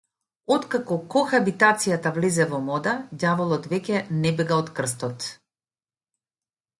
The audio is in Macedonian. Откако кохабитацијата влезе во мода, ѓаволот веќе не бега од крстот.